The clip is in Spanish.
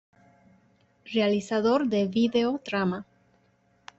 Realizador de "Vídeo Trama".